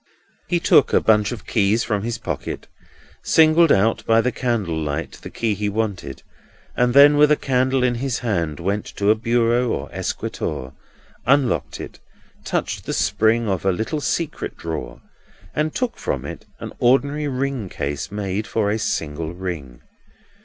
He took a bunch of keys from his pocket, singled out by the candle light the key he wanted, and then, with a candle in his hand, went to a bureau or escritoire, unlocked it, touched the spring of a little secret drawer, and took from it an ordinary ring case made for a single ring.